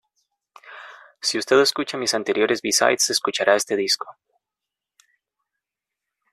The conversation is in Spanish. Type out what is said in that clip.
Si usted escucha mis anteriores B-sides, escuchará este disco.